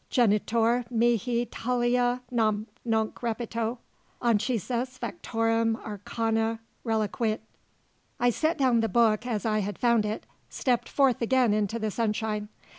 Genitor mihi talia namque (Nunc repeto) Anchises fatorum arcana reliquit." I set down the book as I had found it, stepped forth again into the sunshine.